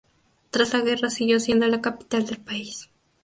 Tras la guerra siguió siendo la capital del país.